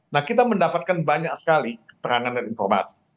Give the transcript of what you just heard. nah kita mendapatkan banyak sekali keterangan dan informasi